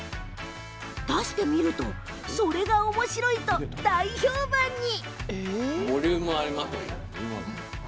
出してみるとそれがおもしろいと大評判に。